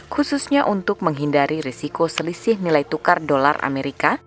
khususnya untuk menghindari risiko selisih nilai tukar dolar amerika